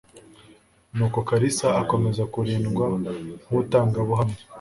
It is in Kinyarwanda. Nuko Kalisa akomeza kurindwa nk'umutangabuhamya,